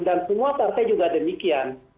semua partai juga demikian